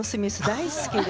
大好きで。